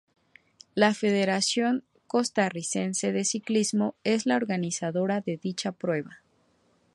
La Federación Costarricense de Ciclismo es la organizadora de dicha prueba.